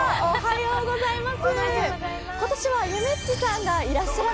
おはようございます。